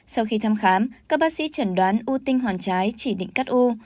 sau khi thăm khám các bác sĩ chẩn đoán ưu tinh hoàn trái chỉ định cắt u